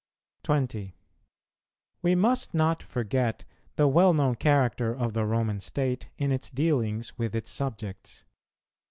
20. We must not forget the well known character of the Roman state in its dealings with its subjects.